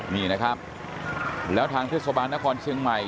นี่นะครับแล้วทางเทศบาลนครเชียงใหม่